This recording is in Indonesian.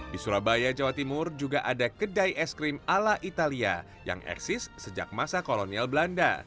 di surabaya jawa timur juga ada kedai es krim ala italia yang eksis sejak masa kolonial belanda